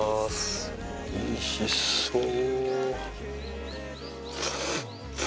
おいしそう。